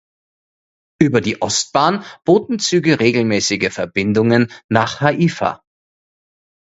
Über die Ostbahn boten Züge regelmäßige Verbindungen nach Haifa.